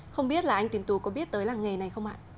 không biết là anh tín tù có biết tới làng nghề này không ạ